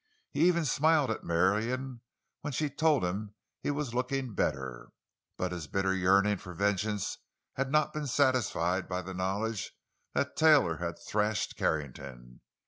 He even smiled at Marion when she told him he was "looking better." But his bitter yearning for vengeance had not been satisfied by the knowledge that Taylor had thrashed Carrington.